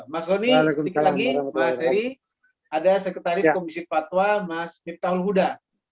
mas zoni sekali lagi mas seri ada sekretaris komisi kepatuan mas hibtaul huda